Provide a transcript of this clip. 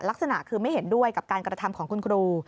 ลักษณะคือไม่เห็นด้วยกับการกระทำของคุณครู